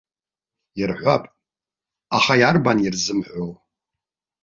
Ирҳәап, аха иарбан ирзымҳәо?!